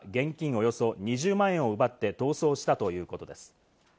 およそ２０万円を奪って逃走したということです。